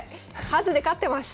数で勝ってます。